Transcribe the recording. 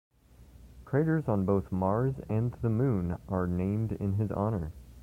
Craters on both Mars and the Moon are named in his honor.